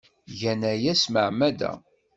Gan aya s tmeɛmada.